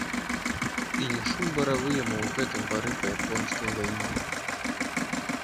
І не шум баравы яму ў гэтым бары па японскай вайне.